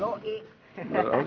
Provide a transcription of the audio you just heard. wah keren kan bang